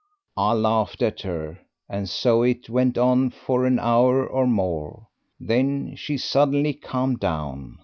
"I laughed at her, and so it went on for an hour or more. Then she suddenly calmed down.